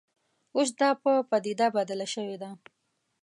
اوس دا په پدیده بدله شوې ده